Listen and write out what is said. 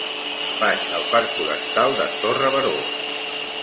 Vaig al parc Forestal de Torre Baró.